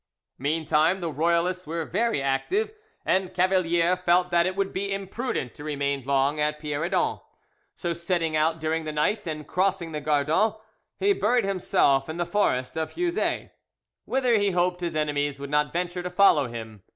Meantime the royalists were very active, and Cavalier felt that it would be imprudent to remain long at Pierredon, so setting out during the night, and crossing the Gardon, he buried himself in the forest of Hieuzet, whither he hoped his enemies would not venture to follow him.